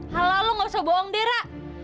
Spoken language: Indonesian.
hal lo nggak usah bohong deh ra